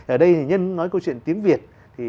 ở đây thì nhân nói câu chuyện tiếng việt